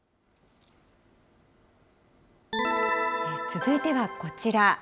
続いてはこちら。